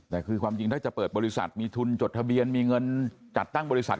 แต่คือความจริงถ้าจะเปิดบริษัทมีทุนจดทะเบียนมีเงินจัดตั้งบริษัท